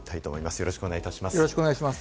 よろしくお願いします。